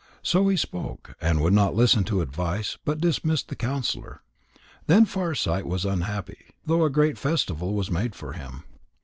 So he spoke, and would not listen to advice, but dismissed the counsellor. Then Farsight was unhappy though a great festival was made for him.